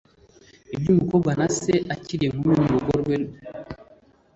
N iby umukobwa na se akiri inkumi mu rugo rwa se